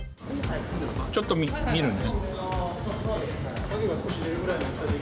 ちょっと見るね。